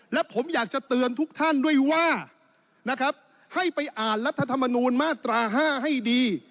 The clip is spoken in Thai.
และผมอยากจะเตือนทุกท่านด้วยว่านะครับให้ไปอ่านรัฐธรรมนูลมาตรา๕ให้ดี